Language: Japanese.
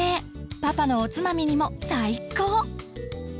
パパのおつまみにも最高！